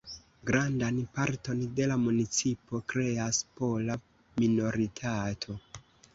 Grandan parton de la municipo kreas pola minoritato.